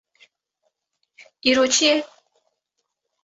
Îro çi ye?